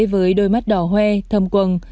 với đôi mắt đỏ hoe thầm quầng